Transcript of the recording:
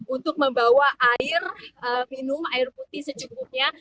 untuk membawa air minum air putih secukupnya